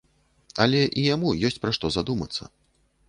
Але і яму ёсць пра што задумацца.